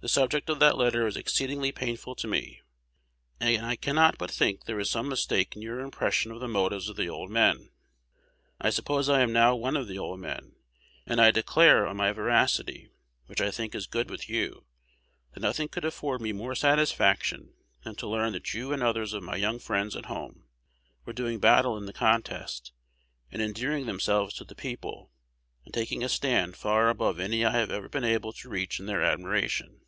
The subject of that letter is exceedingly painful to me; and I cannot but think there is some mistake in your impression of the motives of the old men. I suppose I am now one of the old men; and I declare, on my veracity, which I think is good with you, that nothing could afford me more satisfaction than to learn that you and others of my young friends at home were doing battle in the contest, and endearing themselves to the people, and taking a stand far above any I have ever been able to reach in their admiration.